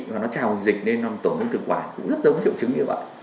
và nó trào dịch nên tổn thương thực quản cũng rất giống triệu chứng như vậy